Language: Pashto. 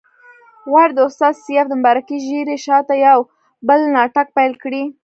غواړي د استاد سیاف د مبارکې ږیرې شاته یو بل ناټک پیل کړي.